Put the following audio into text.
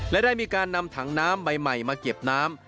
และได้มีการนำถังน้ำใบใหม่มาเก็บน้ำ